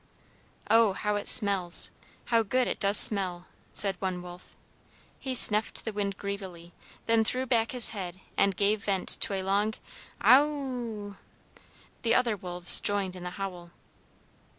"Oh, how it smells! How good it does smell!" said one wolf. He snuffed the wind greedily, then threw back his head and gave vent to a long "O w!" The other wolves joined in the howl.